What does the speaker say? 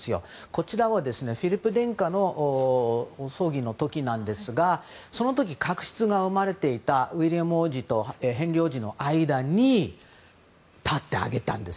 こちらはフィリップ殿下の葬儀の時なんですがその時、確執が生まれていたウィリアム王子とヘンリー王子の間に立ってあげたんです。